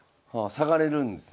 下がれるんですね。